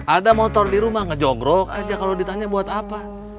ada motor di rumah ngejogrok aja kalau ditanya buat apa